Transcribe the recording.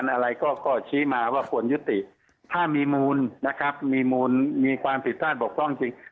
เราก็จะตั้งกรรมการอีกชุดหนึ่ง